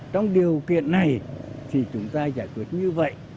trong điều kiện này thì chúng ta giải quyết như vậy